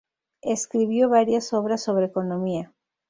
Escribió varias obras sobre economía.